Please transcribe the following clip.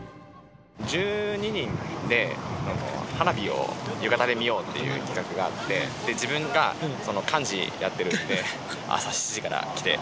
１２人で、花火を浴衣で見ようっていう企画があって、自分が幹事やってるんで、朝７時から来て。